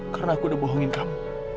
karena aku udah bohongin kamu